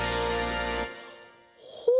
ほう！